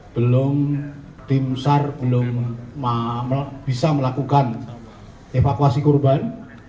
belum tim sar belum bisa melakukan evakuasi korban